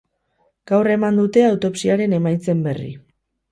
Gaur eman dute autopsiaren emaitzen berri.